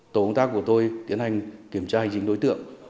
tổ công tác của tôi tiến hành kiểm tra hành chính đối tượng